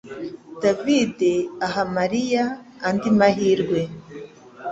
Davide aha Mariya andi mahirwe